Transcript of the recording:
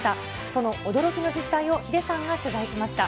その驚きの実態をヒデさんが取材しました。